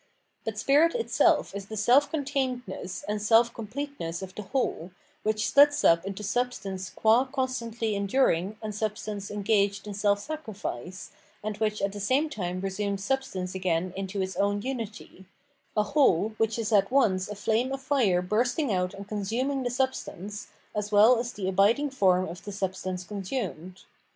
But spirit itself is the self containedness and self com pleteness of the whole, which sphts up into substance qua constantly enduring and substance engaged in self sacrifice, and which at the same time resumes substance again into its own unity ; a whole which is at once a flame of fixe burstmg out and consuming the substance, as well as the abiding form of the substance consumed.